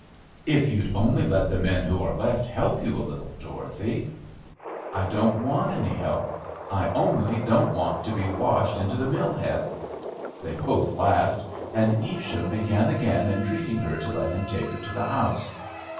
"If you'd only let the men who are left help you a little, Dorothy." "I don't want any help. I only don't want to be washed into the mill head." They both laughed, and Evesham began again entreating her to let him take her to the house.